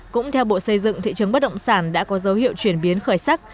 cũng theo bộ xây dựng thị trường bất động sản đã có dấu hiệu chuyển biến khởi sắc